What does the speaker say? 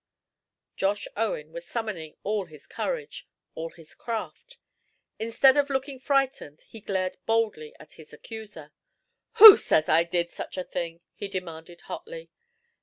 Josh Owen was summoning all his courage, all his craft. Instead of looking frightened, he glared boldly at his accuser. "Who says I did such a thing?" he demanded, hotly.